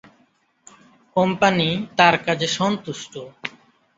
Company তার কাজে সন্তুষ্ট।